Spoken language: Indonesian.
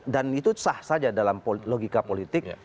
dan itu sah saja dalam logika politik